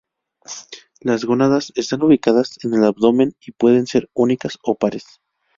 Las gónadas están ubicadas en el abdomen y pueden ser únicas o pares.